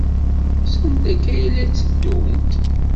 Sanda akka ay la tteddunt?